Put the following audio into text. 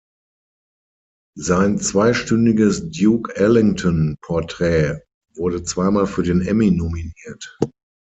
Sein zweistündiges Duke Ellington Porträt wurde zweimal für den Emmy nominiert.